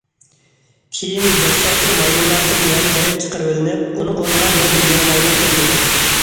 كېيىن دەسلەپكى مايمۇنلاردىن يەنە بىرى چىقىرىۋېلىنىپ، ئۇنىڭ ئورنىغا يەنە بىر يېڭى مايمۇن كىرگۈزۈلگەن.